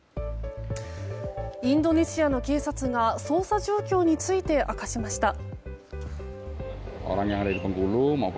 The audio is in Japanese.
インドネシアの警察が捜査状況について明かしました。